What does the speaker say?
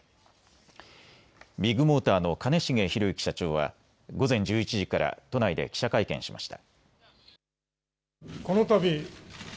ビッグモーターの兼重宏行社長は午前１１時から都内で記者会見しました。